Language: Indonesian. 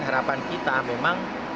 harapan kita memang